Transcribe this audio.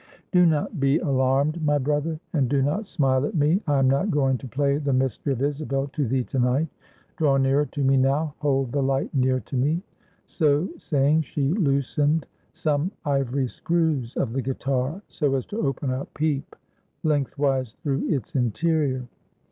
"Do not be alarmed, my brother; and do not smile at me; I am not going to play the Mystery of Isabel to thee to night. Draw nearer to me now. Hold the light near to me." So saying she loosened some ivory screws of the guitar, so as to open a peep lengthwise through its interior.